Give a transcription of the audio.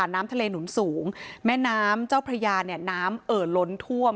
น้ำทะเลหนุนสูงแม่น้ำเจ้าพระยาเนี่ยน้ำเอ่อล้นท่วม